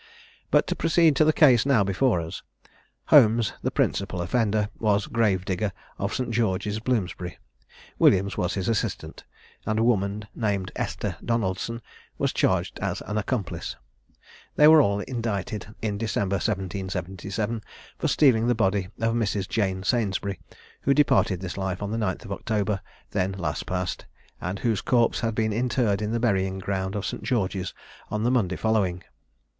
But to proceed to the case now before us. Holmes, the principal offender, was grave digger of St. George's, Bloomsbury; Williams was his assistant; and a woman named Esther Donaldson was charged as an accomplice. They were all indicted, in December 1777, for stealing the body of Mrs. Jane Sainsbury, who departed this life on the 9th of October then last past, and whose corpse had been interred in the burying ground of St. George's on the Monday following.